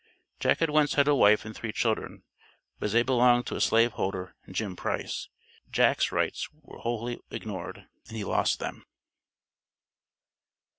Jack had once had a wife and three children, but as they belonged to a slave holder ("Jim Price") Jack's rights were wholly ignored, and he lost them.